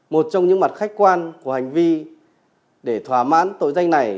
một trong những mặt khách quan của hành vi để thỏa mãn tội danh này